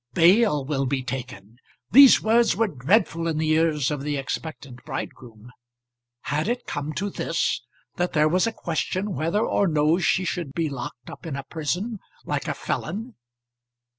Bail will be taken! These words were dreadful in the ears of the expectant bridegroom. Had it come to this; that there was a question whether or no she should be locked up in a prison, like a felon?